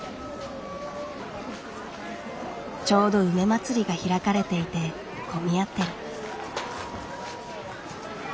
ちょうど梅まつりが開かれていて混み合ってる。